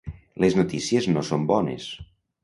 Les notícies no són bones.